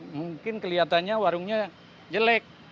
mungkin kelihatannya warungnya jelek